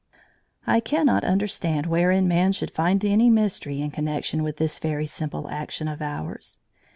] I cannot understand wherein man should find any mystery in connection with this very simple action of ours.